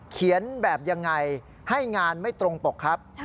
เขียนแบบยังไงให้งานไม่ตรงปกครับ